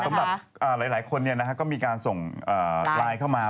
สำหรับหลายคนก็มีการส่งไลน์เข้ามา